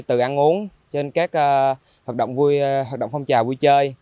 từ ăn uống trên các hoạt động phong trào vui chơi